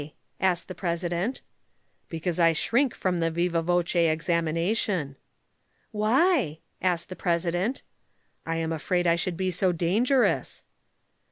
asked the President. "Because I shrink from the viva voce examination." "Why?" asked the President. "I am afraid I should be so dangerous."